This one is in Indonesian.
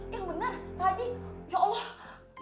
yang bener pak haji